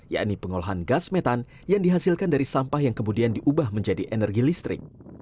yakni pengolahan gas metan yang dihasilkan dari sampah yang kemudian diubah menjadi energi listrik